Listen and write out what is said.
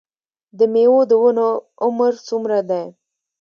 د میوو د ونو عمر څومره دی؟